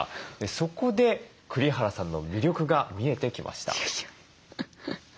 そこで栗原さんの魅力が見えてきました。